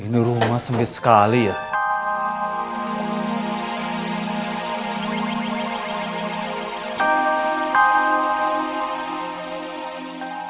ini rumah sempit sekali ya